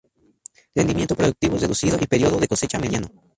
Rendimiento productivo reducido y periodo de cosecha mediano.